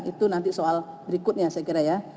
itu nanti soal berikutnya saya kira ya